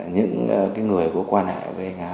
những cái người có quan hệ với anh hà